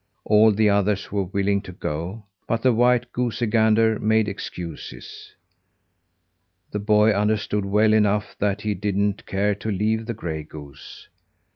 All the others were willing to go, but the white goosey gander made excuses. The boy understood well enough that he didn't care to leave the gray goose.